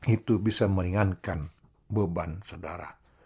itu bisa meringankan beban saudara